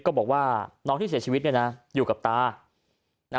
ก็บอกว่าน้องที่เสียชีวิตอยู่กับตา